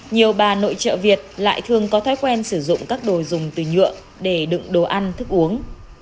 nhiều bà nội trợ việt lại thường có thói quen sử dụng các đồ dùng từ nhựa để đựng đồ ăn thức uống